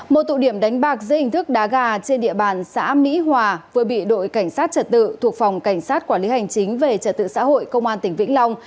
một tụ điểm đánh bạc dây hình thức đá gà trên địa bàn xã mỹ hòa vừa bị đội cảnh sát trật tự thuộc phòng cảnh sát quản lý hành chính về trật tự xã hội công an tỉnh vĩnh long